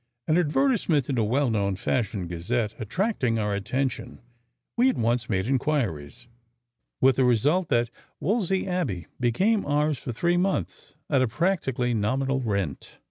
An advertisement in a well known fashion gazette attracting our attention, we at once made inquiries, with the result that Wolsey Abbey became ours for three months at a practically nominal rent.